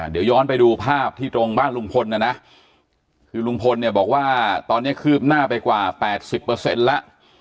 เดี๋ยวย้อนไปดูภาพที่ตรงบ้านลุงพลนะนะคือลุงพลเนี่ยบอกว่าตอนนี้คืบหน้าไปกว่า๘๐แล้ว